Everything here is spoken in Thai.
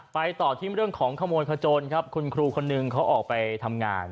ต่อที่เรื่องของขโมยขจนครับคุณครูคนหนึ่งเขาออกไปทำงาน